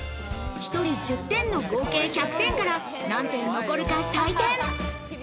１人１０点の合計１００点から何点残るか採点。